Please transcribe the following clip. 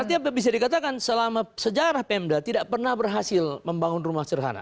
artinya bisa dikatakan selama sejarah pemda tidak pernah berhasil membangun rumah sederhana